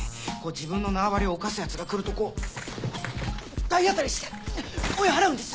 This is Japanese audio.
自分の縄張りを侵すやつが来るとこう体当たりして追い払うんです。